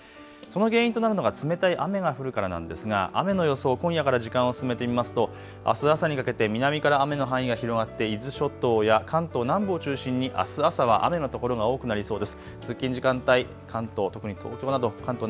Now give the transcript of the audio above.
その原因となるのが冷たい雨が降るからなんですが雨の予想、今夜から時間を進めてみますとあす朝にかけて南から雨の範囲が広がって伊豆諸島や関東南部を中心にあす朝は雨の所が多くなりそうです。